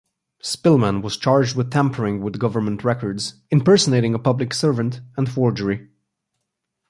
Spillman was charged with tampering with government records, impersonating a public servant and forgery.